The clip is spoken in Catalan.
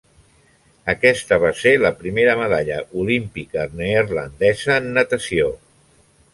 Aquesta va ser la primera medalla olímpica neerlandesa en natació.